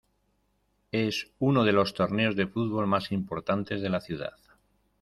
Es uno de los torneos de fútbol más importantes de la ciudad.